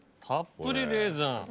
たっぷりレーズン。